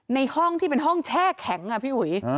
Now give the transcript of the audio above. ในห้องที่เป็นห้องแช่แข็งอ่ะพี่อุ๋ย